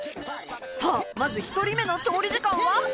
さあまず１人目の調理時間は？